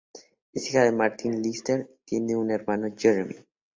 Es hija de Martin Lister y tiene un hermano, Jeremy.